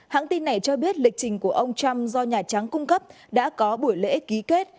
hãng tin này cho biết lịch trình của ông trump do nhà trắng cung cấp đã có buổi lễ ký kết